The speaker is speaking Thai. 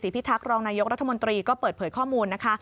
พิทักษ์รองนายกรัฐมนตรีก็เปิดเผยข้อมูลนะคะ